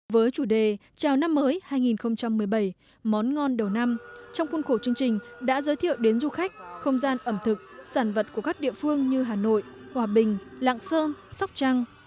với chủ đề chào năm mới hai nghìn một mươi bảy món ngon đầu năm trong khuôn khổ chương trình đã giới thiệu đến du khách không gian ẩm thực sản vật của các địa phương như hà nội hòa bình lạng sơn sóc trăng